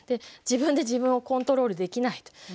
自分で自分をコントロールできないと。